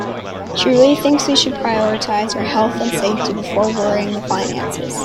She really thinks we should prioritize our health and safety before worrying the finances.